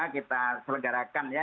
kita selenggarakan ya